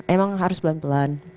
emang harus pelan pelan